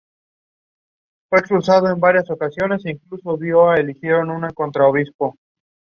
Joven aprendiz Jedi.